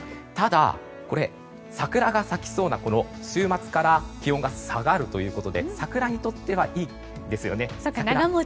ただ、桜が咲きそうなこの週末から気温が下がるということで桜にとってはいいですよね。